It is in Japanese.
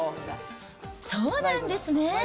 そうなんですね。